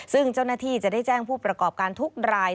ซึ่งเจ้าหน้าที่จะได้แจ้งผู้ประกอบการทุกราย